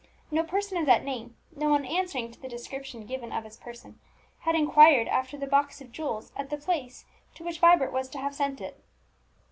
No person of that name, no one answering to the description given of his person, had inquired after the box of jewels at the place to which Vibert was to have sent it.